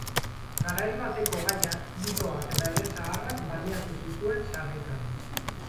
Garai bateko gaiak, mitoak eta elezaharrak baliatu zituen sarritan.